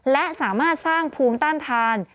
และสามารถสร้างภูมิต้านทาน